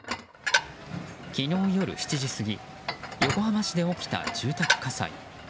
昨日夜７時過ぎ横浜市で起きた住宅火災。